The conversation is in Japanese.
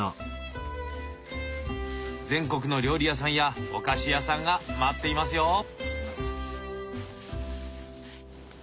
全国の料理屋さんやお菓子屋さんが待っていますよ！